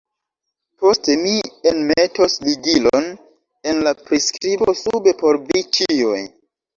Poste mi enmetos ligilon en la priskribo sube por vi ĉiuj.